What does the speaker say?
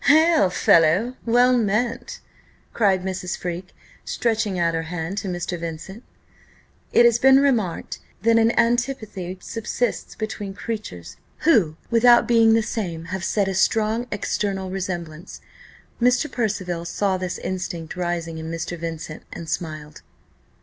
"Hail, fellow! well met!" cried Mrs. Freke, stretching out her hand to Mr. Vincent. It has been remarked, that an antipathy subsists between creatures, who, without being the same, have yet a strong external resemblance. Mr. Percival saw this instinct rising in Mr. Vincent, and smiled.